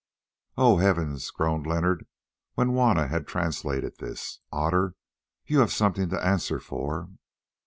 "Oh, heavens!" groaned Leonard when Juanna had translated this. "Otter, you have something to answer for!"